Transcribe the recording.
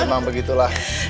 iya memang begitulah